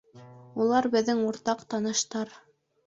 Улар беҙҙең уртаҡ таныштар